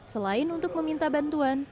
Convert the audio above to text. selain untuk meminta bantuan